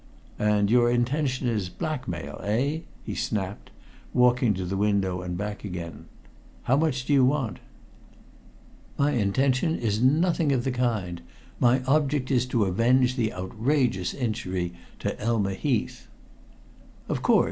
"And your intention is blackmail eh?" he snapped, walking to the window and back again. "How much do you want?" "My intention is nothing of the kind. My object is to avenge the outrageous injury to Elma Heath." "Of course.